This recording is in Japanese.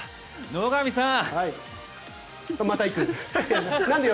野上さん